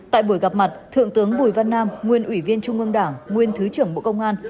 tại buổi gặp mặt thượng tướng bùi văn nam nguyên ủy viên trung ương đảng nguyên thứ trưởng bộ công an